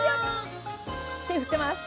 手振ってます。